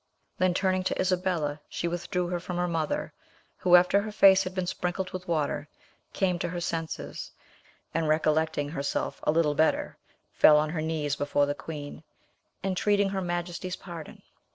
Then, turning to Isabella, she withdrew her from her mother, who, after her face had been sprinkled with water, came to her senses, and recollecting herself a little better, fell on her knees before the queen, entreating her majesty's pardon.